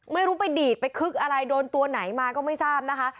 ไม่รู้ไปดีดไปคึกอะไรโดนตัวไหนมาก็ไม่ทราบนะคะ